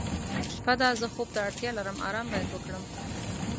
شپه ده زه خوب ته اړتیا لرم آرام باید وکړم.